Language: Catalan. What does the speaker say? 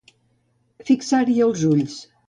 Fixar-hi els ulls.